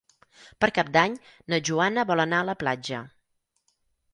Per Cap d'Any na Joana vol anar a la platja.